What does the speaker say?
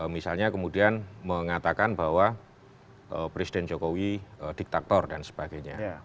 misalnya kemudian mengatakan bahwa presiden jokowi diktator dan sebagainya